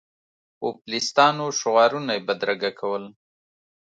پوپلیستانو شعارونه یې بدرګه کول.